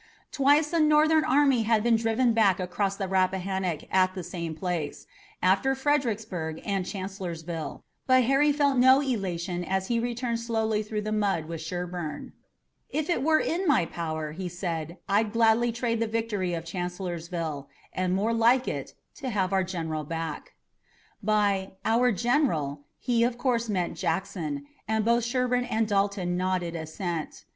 Twice the Northern army had been driven back across the Rappahannock at the same place after Fredericksburg and Chancellorsville but Harry felt no elation as he returned slowly through the mud with Sherburne. "If it were in my power," he said, "I'd gladly trade the victory of Chancellorsville, and more like it, to have our General back." By "our General" he of course meant Jackson, and both Sherburne and Dalton nodded assent.